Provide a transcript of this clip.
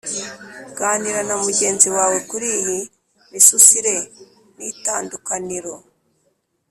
Ganira na mugenzi wawe kuri iyi misusire n itandukaniro